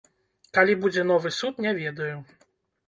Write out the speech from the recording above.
Калі будзе новы суд, не ведаю.